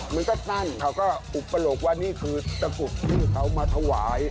มันก็นั่นเขาก็อุปโลกว่านี่คือตะกรุดที่เขามาถวาย